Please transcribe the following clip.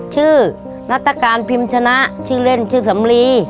นัตการพิมพ์ชนะชื่อเล่นชื่อสำลี